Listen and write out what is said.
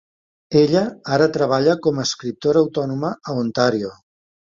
Ella ara treballa com a escriptora autònoma a Ontario.